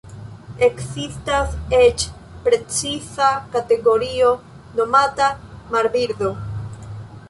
Ekzistas eĉ preciza kategorio nomata Marbirdo.